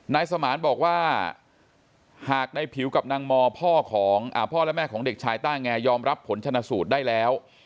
นายสมานบอกว่าหากในผิวกับนางมพ่อของพ่อและแม่ของเด็กชายต้าแงยอมรับผลชนะสูตรได้แล้ว